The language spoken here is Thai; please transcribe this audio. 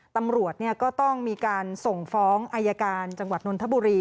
ตำรวจก็ต้องมีการส่งฟ้องอายการจังหวัดนนทบุรี